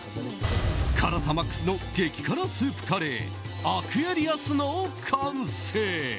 辛さマックスの激辛スープカレーアクエリアスの完成。